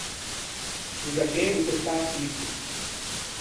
Sto giacchê o te stà à chiffo.